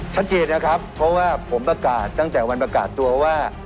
ชัดเจนนะครับเพราะว่าผมประกาศตั้งแต่วันประกาศตัวว่า